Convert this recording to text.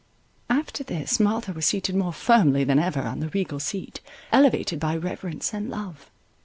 —After this Martha was seated more firmly than ever on the regal seat, elevated by reverence and love.